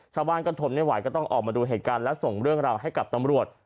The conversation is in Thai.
ชาวบ้านก็ทนไม่ไหวก็ต้องออกมาดูเหตุการณ์และส่งเรื่องราวให้กับตำรวจ